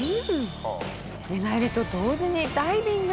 寝返りと同時にダイビング！